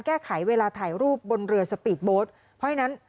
แก้ไขเวลาถ่ายรูปบนเรือสปีดโบสต์เพราะฉะนั้น